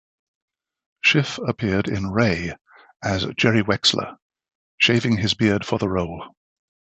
Schiff appeared in "Ray" as Jerry Wexler, shaving his beard for the role.